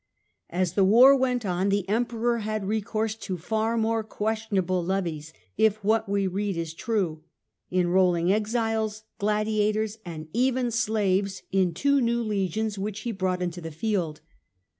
As the war went on, the Emperor had recourse to far more questionable levies, if what we read is true, enrolling exiles, gladiators, and even slaves in two new legions which he brought into the field.